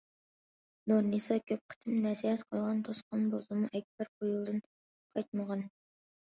نۇرنىسا كۆپ قېتىم نەسىھەت قىلغان، توسقان بولسىمۇ ئەكبەر بۇ يولدىن قايتمىغان.